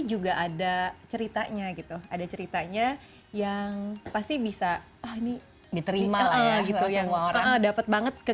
juga ada ceritanya gitu ada ceritanya yang pasti bisa auni diterima dp ya orang dapat banget ke